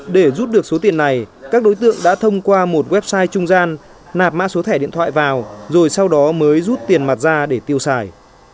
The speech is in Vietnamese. để rút được số tiền này các đối tượng đã thông qua một website trung gian nạp mã số thẻ điện thoại vào rồi sau đó mới rút tiền mặt ra để tiêu xài